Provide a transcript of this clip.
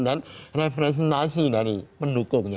dan representasi dari pendukungnya